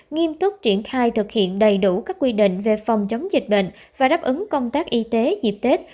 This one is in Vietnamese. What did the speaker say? nghiêm túc triển khai thực hiện đầy đủ các quy định về phòng chống dịch bệnh và đáp ứng công tác y tế dịp tết